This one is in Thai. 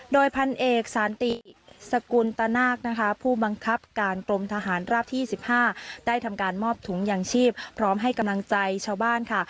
โดยพันเอกสารติสกุลตนาคนะคะผู้บังคับการกรมทหารราบที่๑๕ได้ทำการมอบถุงยางชีพพร้อมให้กำลังใจชาวบ้านค่ะ